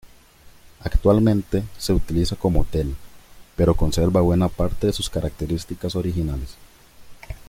Actualmente se utiliza como Hotel, pero conserva buena parte de sus características originales.